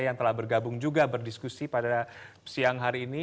yang telah bergabung juga berdiskusi pada siang hari ini